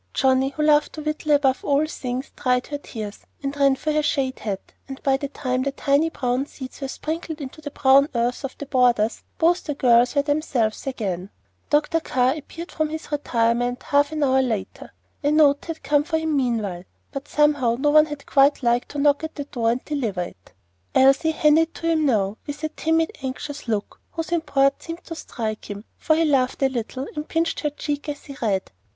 Johnnie, who loved to "whittle" above all things, dried her tears, and ran for her shade hat; and by the time the tiny brown seeds were sprinkled into the brown earth of the borders, both the girls were themselves again. Dr. Carr appeared from his retirement half an hour later. A note had come for him meanwhile, but somehow no one had quite liked to knock at the door and deliver it. Elsie handed it to him now, with a timid, anxious look, whose import seemed to strike him, for he laughed a little, and pinched her cheek as he read.